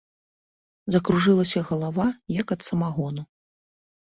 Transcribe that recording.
Закружылася галава, як ад самагону.